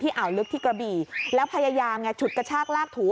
อ่าวลึกที่กระบี่แล้วพยายามไงฉุดกระชากลากถู